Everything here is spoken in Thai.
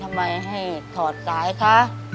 ทำไมให้ถอดสายคะ